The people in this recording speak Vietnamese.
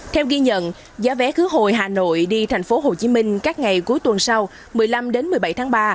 theo ghi nhận giá vé khứa hồi hà nội đi tp hcm các ngày cuối tuần sau một mươi năm một mươi bảy tháng ba